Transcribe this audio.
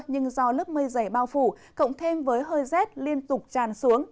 nhưng do lớp mây dày bao phủ cộng thêm với hơi rét liên tục tràn xuống